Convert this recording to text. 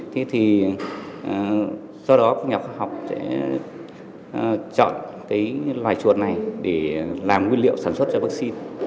thế thì do đó công nghiệp khoa học sẽ chọn cái loài chuột này để làm nguyên liệu sản xuất cho vaccine